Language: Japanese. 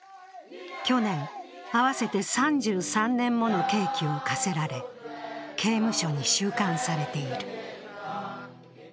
去年、合わせて３３年もの刑期を科せられ刑務所に収監されている。